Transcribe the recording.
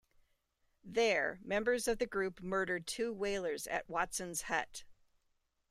There, members of the group murdered two whalers at Watsons hut.